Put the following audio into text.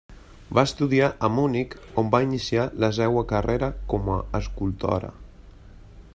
Va estudiar a Munic, on va iniciar la seua carrera com a escultora.